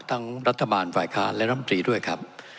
ทั้งรัฐบาลฝ่ายคารและรัฐมนตรีด้วยครับ